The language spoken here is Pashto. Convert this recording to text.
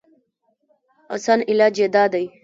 اسان علاج ئې دا دی